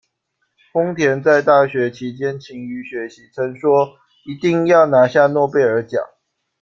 丰田在大学期间勤于学习，曾说“一定要拿下诺贝尔奖”。